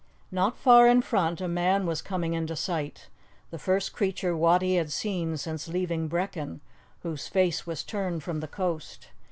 Not far in front a man was coming into sight, the first creature Wattie had seen since leaving Brechin, whose face was turned from the coast.